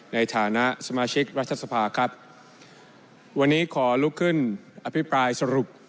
ในฐานะสมาชิกรัฐสภาครับวันนี้ขอลุกขึ้นอภิปรายสรุป